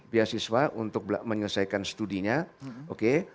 beasiswa untuk menyelesaikan studinya oke